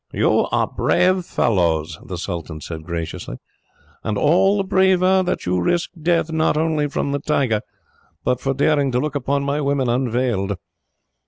"You are brave fellows," the sultan said graciously, "and all the braver that you risked death, not only from the tiger, but for daring to look upon my women, unveiled."